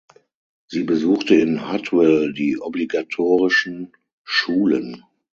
Sie besuchte in Huttwil die obligatorischen Schulen.